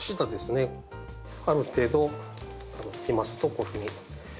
ある程度いきますとこういうふうに。